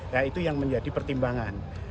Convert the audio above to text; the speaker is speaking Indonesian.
nah itu yang menjadi pertimbangan